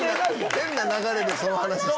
変な流れでその話してる。